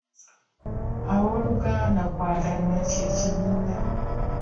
Abooluganda kwagalana kye kibiina.